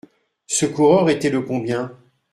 Ce coureur était le combien ?